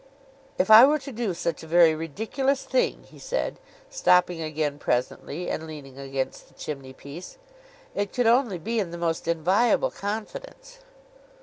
'If I were to do such a very ridiculous thing,' he said, stopping again presently, and leaning against the chimney piece, 'it could only be in the most inviolable confidence.